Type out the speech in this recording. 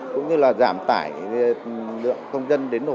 cũng như là giảm tải lượng công dân đến nội